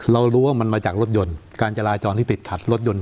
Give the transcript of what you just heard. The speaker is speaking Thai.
เรารู้ว่ามันมาจากรถยนต์การจราจรที่ติดขัดรถยนต์